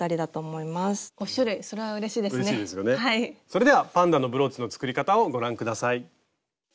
それではパンダのブローチの作り方をご覧下さい。